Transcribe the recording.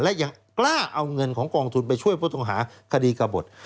และยังกล้าเอาเงินของกองทุนไปช่วยผู้ต้องหาคดีกระบด